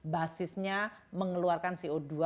basisnya mengeluarkan co dua